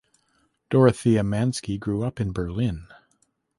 Dorothea Manski grew up in Berlin.